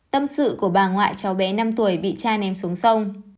tâm sự của bà ngoại cháu bé năm tuổi bị cha ném xuống sông